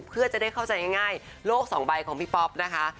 เพื่อจะได้เข้าใจง่ายโลกสองใบของพี่ป๊อปนะคะ